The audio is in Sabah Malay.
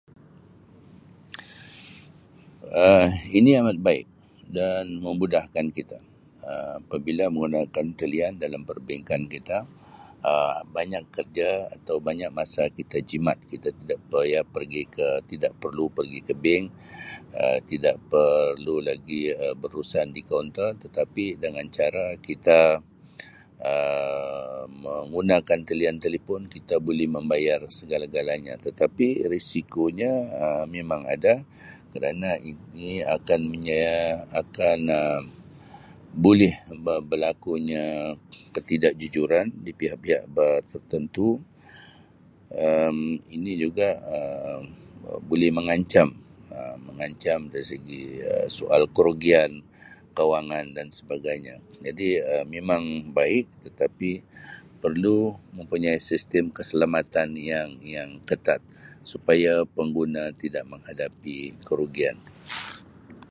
Um Ini amat baik dan memudahkan kita Um apabila menggunakan talian dalam perbankan kita Um banyak kerja atau banyak masa kita jimat kita tidak payah pergi ke- tidak perlu pergi ke bank, Um tidak perlu lagi Um berurusan di kaunter tetapi dengan cara kita Um menggunakan talian talipon kita boleh membayar segala-galanya tetapi risikonya Um memang ada kerana ini akan Um akan Um boleh be-berlakunya ketidakjujuran di pihak-pihak ber-tertentu Um ini juga Um boleh mengancam Um mengancam dari segi Um soal kerugian, kewangan dan sebagainya jadi Um memang baik tetapi perlu mempunyai sistem keselamatan yang-yang ketat supaya pengguna tidak menghadapi kerugian.